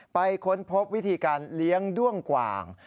ค้นพบวิธีการเลี้ยงด้วงกว่าง